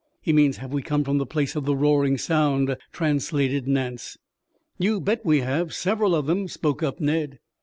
"He means, 'have we come from the place of the roaring sound?'" translated Nance. "You bet we have. Several of them," spoke up Ned.